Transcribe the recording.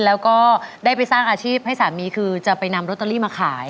แล้วก็ได้ไปสร้างอาชีพให้สามีคือจะไปนำโรตเตอรี่มาขาย